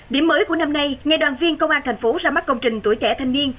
điểm mới của năm nay ngày đoàn viên công an thành phố ra mắt công trình tuổi trẻ thanh niên